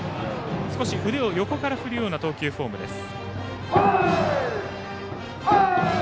少し腕を横から振るような投球フォームです。